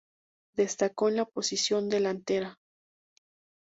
Destacó en la posición de delantero.